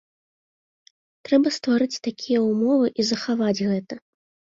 Трэба стварыць такія ўмовы і захаваць гэта.